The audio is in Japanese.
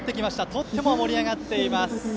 とても盛り上がっています。